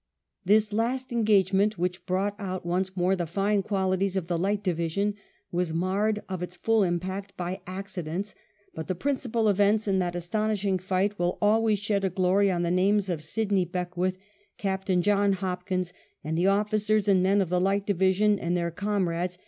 This last engagementj which brought out once more the fine qualities of the Light Division, was marred of its full effect by accidents, but the principal events in that astonishing fight will always shed a glory on the names of Sydney Beckwith, Captain John Hopkins, and the officers and men of the Light Division and their comrades.